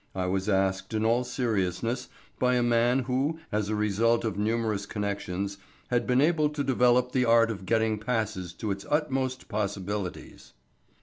I was asked in all seriousness by a man, who, as a result of his numerous connections, had been able to develop the art of getting passes to its utmost possibilities.